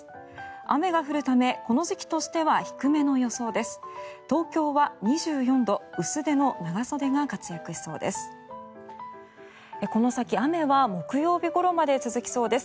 雨が降るため、この時期としては低めの予想です。